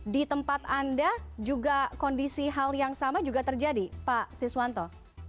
di tempat anda juga kondisi hal yang sama juga terjadi pak siswanto